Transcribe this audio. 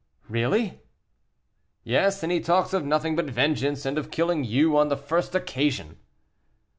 "Really?" "Yes, and he talks of nothing but vengeance, and of killing you on the first occasion."